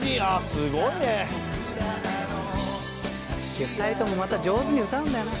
すごいね！で２人ともまた上手に歌うんだよな。